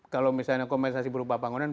kalau misalnya kompensasi berupa bangunan